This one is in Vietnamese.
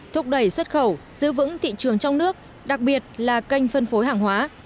thúc đẩy xuất khẩu giữ vững thị trường trong nước đặc biệt là kênh phân phối hàng hóa